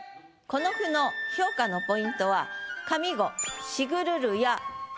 この句の評価のポイントは上五。